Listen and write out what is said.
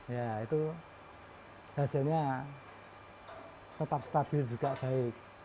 ya itu hasilnya tetap stabil juga baik